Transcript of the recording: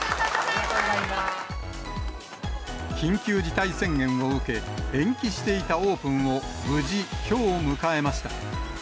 緊急事態宣言を受け、延期していたオープンを無事、きょう迎えました。